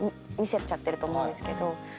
見せちゃってると思うんですけど。